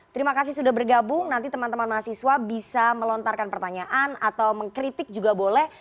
terima kasih sudah bergabung nanti teman teman mahasiswa bisa melontarkan pertanyaan atau mengkritik juga boleh